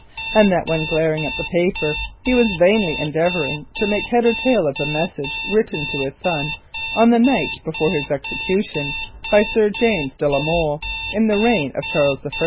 And when glaring at the paper, he was vainly endeavouring to make head or tale of the message written to his son on the night before his execution by Sir James de la Molle in the reign of Charles I.